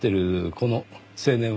この青年は？